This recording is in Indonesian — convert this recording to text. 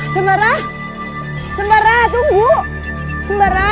sembara sembara tunggu sembara